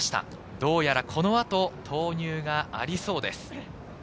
どうやらこの後、投入がありそうです。